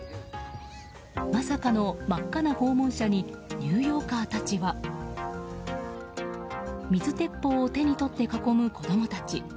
まさかの真っ赤な訪問者にニューヨーカーたちは水鉄砲を手に取って囲む子供たち。